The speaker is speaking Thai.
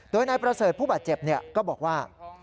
โดยนายประเสริฐผู้บาดเจ็บก็บอกว่า